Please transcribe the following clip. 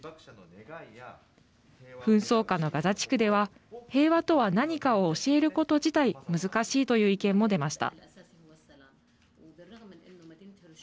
紛争下のガザ地区では平和とは何かを教えること自体難しいという意見も出ました。